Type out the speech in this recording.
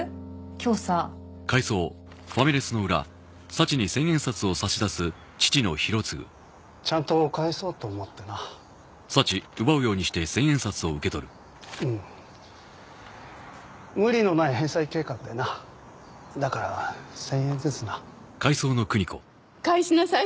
今日さちゃんと返そうと思ってなうん無理のない返済計画でなだから１０００円ずつな返しなさい